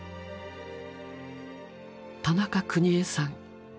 田中邦衛さん。